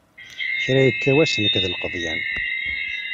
Kra yekka wass nekk d lqeḍyan.